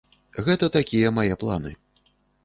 Гэта такія мае планы.